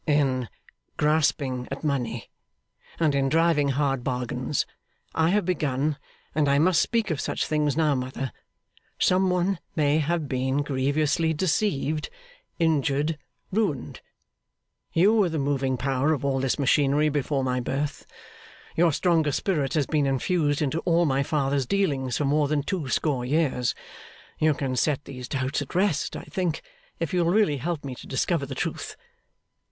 'In grasping at money and in driving hard bargains I have begun, and I must speak of such things now, mother some one may have been grievously deceived, injured, ruined. You were the moving power of all this machinery before my birth; your stronger spirit has been infused into all my father's dealings for more than two score years. You can set these doubts at rest, I think, if you will really help me to discover the truth.